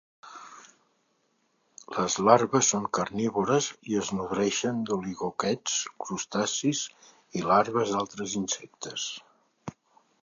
Les larves són carnívores i es nodreixen d'oligoquets, crustacis i larves d'altres insectes.